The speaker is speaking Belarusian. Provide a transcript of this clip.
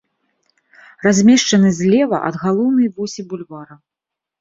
Размешчаны злева ад галоўнай восі бульвара.